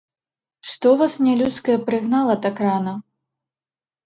Што вас нялюдскае прыгнала так рана?